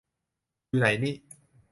อยู่ไหนนิ